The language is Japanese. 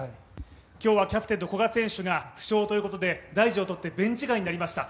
今日はキャプテンの古賀選手が負傷ということで大事を取ってベンチ外になりました。